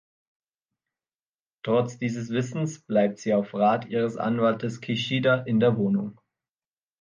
Trotz dieses Wissens bleibt sie auf Rat ihres Anwaltes Kishida in der Wohnung.